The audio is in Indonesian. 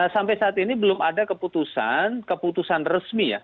sampai saat ini belum ada keputusan keputusan resmi ya